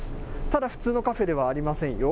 ただ、普通のカフェではありませんよ。